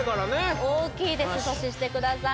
大きいです阻止してください